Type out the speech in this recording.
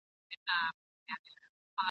پوه انسان تر نالوستي انسان ډېر ګټور دئ.